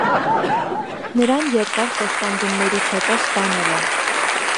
Նրան երկար խոշտանգումներից հետո սպանել են։